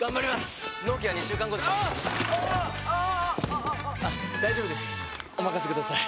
ニャー大丈夫ですおまかせください！